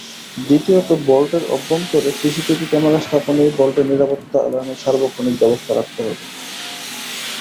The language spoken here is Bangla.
দ্বিতীয়ত, ভল্টের অভ্যন্তরে সিসিটিভি ক্যামেরা স্থাপনসহ ভল্টে নিরাপত্তা অ্যালার্মের সার্বক্ষণিক ব্যবস্থা রাখতে হবে।